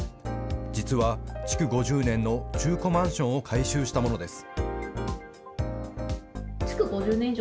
実は築５０年の中古マンションを改修したものです。